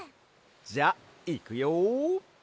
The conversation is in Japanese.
じゃあいくよ！